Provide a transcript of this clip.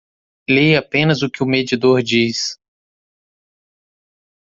Leia apenas o que o medidor diz.